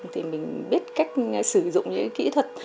thì mình biết cách sử dụng những kỹ thuật